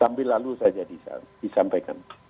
sambil lalu saja disampaikan